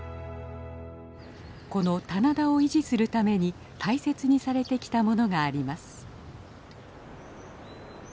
この棚田を維持するために大切にされてきたものがあります。